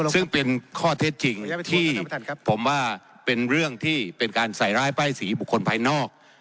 ซึ่งเป็นข้อเทตจริงที่ผมว่าเป็นเรื่องที่บุคคลไปนอก